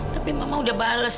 tapi mama udah bales